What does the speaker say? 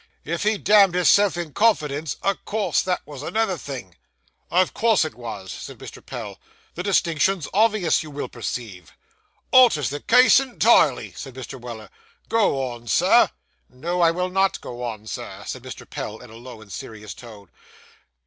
'If he damned hisself in confidence, o' course that was another thing.' 'Of course it was,' said Mr. Pell. 'The distinction's obvious, you will perceive.' 'Alters the case entirely,' said Mr. Weller. 'Go on, Sir.' No, I will not go on, Sir,' said Mr. Pell, in a low and serious tone.